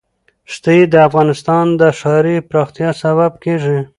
ښتې د افغانستان د ښاري پراختیا سبب کېږي.